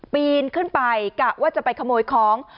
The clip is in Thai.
ปีนขึ้นไปกะว่าจะไปขโมยของ